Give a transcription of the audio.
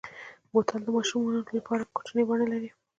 بوتل د ماشومو لپاره کوچنۍ بڼه لري.